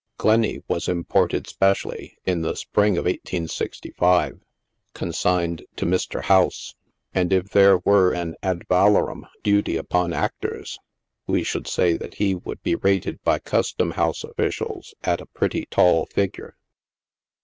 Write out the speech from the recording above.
Glenny was imported specially, in the Spring of 1865, consigned to Mr. House, and, if there were an ad valorem duty upon actors, we should say that he would be rated by custom house officials at a pretty tall figure.